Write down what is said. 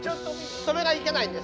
それがいけないんです。